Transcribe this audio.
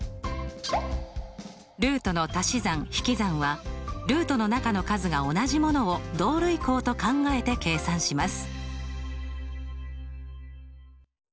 ルートのたし算引き算はルートの中の数が同じものを同類項と考えて計算します。